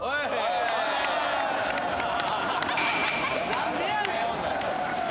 何でやねん！